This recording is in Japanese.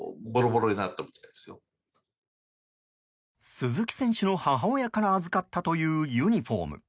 鈴木選手の母親から預かったというユニホーム。